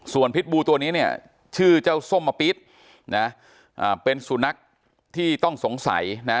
ส่วนพิษบูตัวนี้เนี่ยชื่อเจ้าส้มมะปี๊ดนะเป็นสุนัขที่ต้องสงสัยนะ